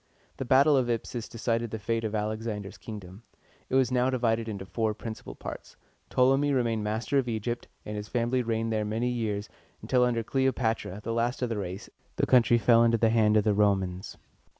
The battle of Ipsus decided the fate of Alexander's kingdom. It was now divided into four principal parts. Ptolemy remained master of Egypt, and his family reigned there many years, until under Cle o pa´tra, the last of his race, the country fell into the hands of the Romans.